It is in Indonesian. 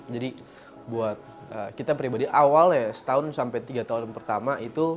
jadi buat kita pribadi awalnya setahun sampai tiga tahun pertama itu